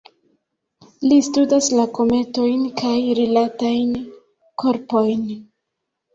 Li studas la kometojn kaj rilatajn korpojn.